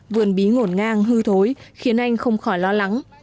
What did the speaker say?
vườn bí ngổn ngang hư thối khiến anh không khỏi lo lắng